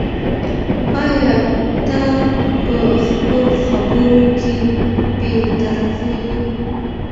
ایا ته په خپلو خبرو کې بې طرفه یې؟